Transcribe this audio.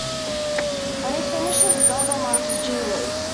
When he finishes, the dog remarks, Gee whiz!